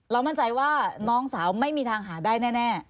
มั่นใจว่าน้องสาวไม่มีทางหาได้แน่